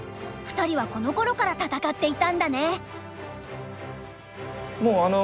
２人はこの頃から戦っていたんだね。